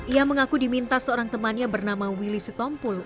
ia mengaku diminta seorang temannya bernama willy setompul